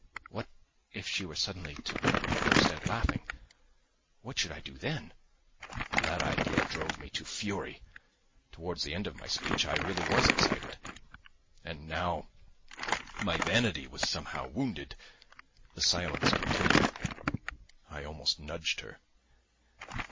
"What if she were suddenly to burst out laughing, what should I do then?" That idea drove me to fury. Towards the end of my speech I really was excited, and now my vanity was somehow wounded. The silence continued. I almost nudged her.